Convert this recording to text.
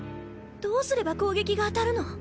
どうすれば攻撃が当たるの？